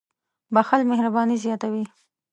• بښل مهرباني زیاتوي.